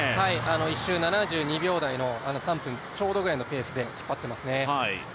１周７２秒台、３分ちょうどぐらいのペースで引っ張っていますね。